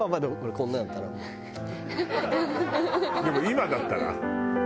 でも今だったら？